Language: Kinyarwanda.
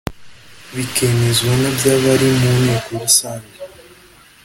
bikemezwa na by abari mu Inteko Rusange